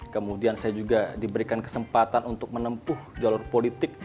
kemudian saya juga diberikan kesempatan untuk menempuh jalur politik